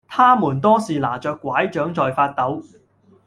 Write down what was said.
她們多是拿著柺杖在發抖